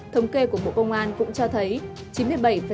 thống kê của bộ công an cũng cho thấy